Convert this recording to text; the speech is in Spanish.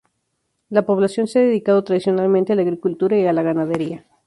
La población se ha dedicado tradicionalmente a la agricultura y la ganadería.